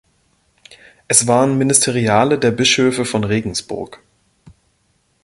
Es waren Ministeriale der Bischöfe von Regensburg.